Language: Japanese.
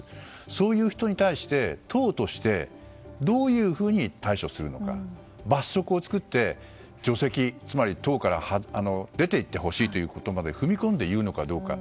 そういう人に対して党としてどういうふうに対処するのか、罰則を作って除籍、つまり党から出て行ってほしいということまで踏み込んでいうのかどうか。